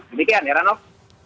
demikian ya ranof